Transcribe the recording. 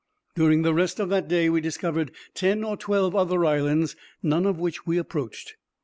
During the rest of that day we discovered ten or twelve other islands, none of which we approached.